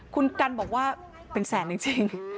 คุณกันบอกว่าเป็นแสนจริง